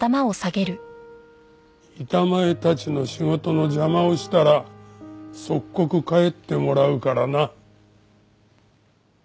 板前たちの仕事の邪魔をしたら即刻帰ってもらうからな。